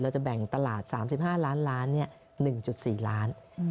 เราจะแบ่งตลาดสามสิบห้าล้านล้านเนี่ยหนึ่งจุดสี่ล้านอืม